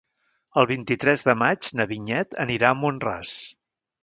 El vint-i-tres de maig na Vinyet anirà a Mont-ras.